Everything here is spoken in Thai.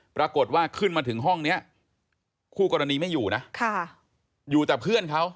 ปรากฏว่าขึ้นมาถึงห้องนี้คู่กรณีไม่อยู่นะอยู่แต่เพื่อนเขา